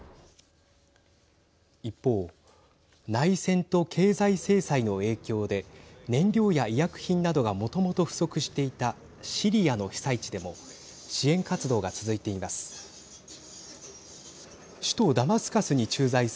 一方、内戦と経済制裁の影響で燃料や医薬品などがもともと不足していたシリアの被災地でも支援活動が続いています。